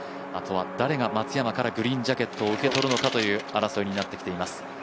あとは誰が松山からグリーンジャケットを受け取るのかという争いになってきています。